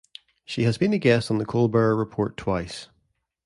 She has been a guest on "The Colbert Report" twice.